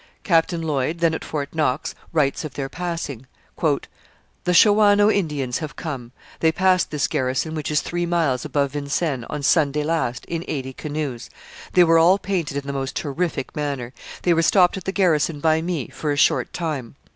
Captain Lloyd, then at Fort Knox, writes of their passing: The Shawanoe Indians have come; they passed this garrison, which is three miles above Vincennes, on Sunday last, in eighty canoes. They were all painted in the most terrific manner. They were stopped at the garrison by me, for a short time.